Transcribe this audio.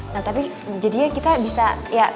nah tapi jadinya kita bisa ya